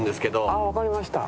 ああわかりました。